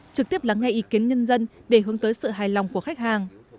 trực tiếp lắng nghe ý kiến nhân dân để hướng tới sự hài lòng của khách hàng